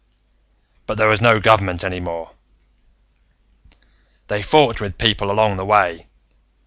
"But there was no government any more. "They fought with people along the way.